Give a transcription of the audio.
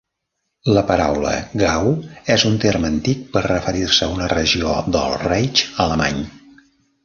La paraula Gau és un terme antic per referir-se a una regió del "Reich" alemany.